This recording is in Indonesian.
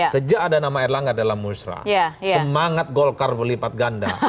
sejak ada nama erlangga dalam musrah semangat golkar berlipat ganda